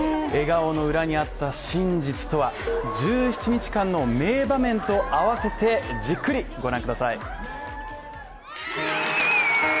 笑顔の裏にあった真実とは、１７日間の名場面と合わせてじっくり御覧ください。